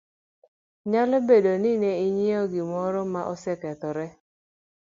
Nyalo bedo ni ne ing'iewo gimoro ma osekethore,